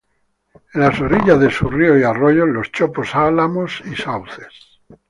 En las orillas de sus ríos y arroyos, los chopos, álamos y sauces.